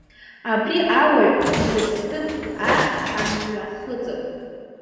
Абри ауаҩ иҭыӡҭыԥ ахь ҳамҩхыҵып.